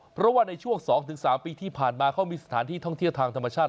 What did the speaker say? เพราะว่าในช่วง๒๓ปีที่ผ่านมาเขามีสถานที่ท่องเที่ยวทางธรรมชาติ